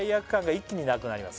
「一気になくなります」